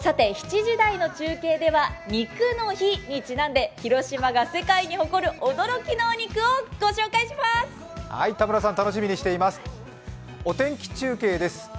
７時台の中継では、肉の日にちなんで広島が世界に誇る驚きのお肉をご紹介します。